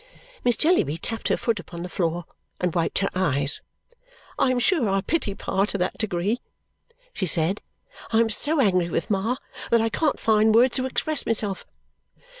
Miss Jellyby tapped her foot upon the floor and wiped her eyes. "I am sure I pity Pa to that degree," she said, "and am so angry with Ma that I can't find words to express myself!